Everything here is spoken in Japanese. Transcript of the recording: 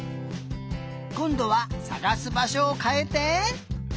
こんどはさがすばしょをかえて。